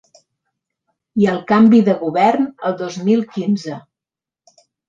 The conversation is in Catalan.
I el canvi de govern el dos mil quinze.